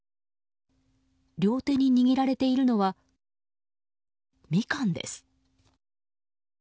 両手に握られているのはミカンです。